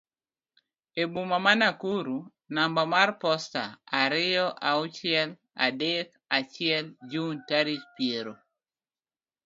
e boma ma Nakuru namba mar posta ariyo auchiel adek achiel Jun tarik piero